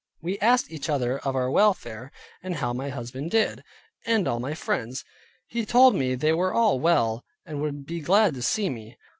We asked each other of our welfare, and how my husband did, and all my friends? He told me they were all well, and would be glad to see me.